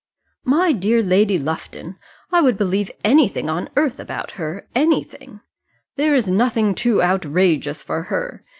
"My dear Lady Lufton, I would believe anything on earth about her anything. There is nothing too outrageous for her.